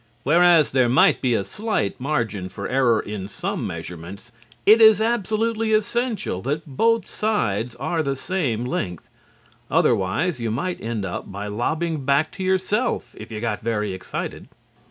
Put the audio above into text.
Whereas there might be a slight margin for error in some measurements, it is absolutely essential that both sides are the same length, otherwise you might end up by lobbing back to yourself if you got very excited.